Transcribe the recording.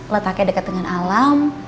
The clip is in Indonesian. letaknya dekat dengan alam